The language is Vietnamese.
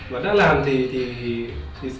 và đã làm thì start up